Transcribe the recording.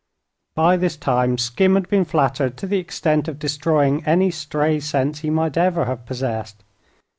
By this time Skim had been flattered to the extent of destroying any stray sense he might ever have possessed.